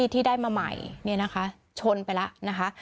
ที่ได้มาใหม่ชนไปแล้วนะคะ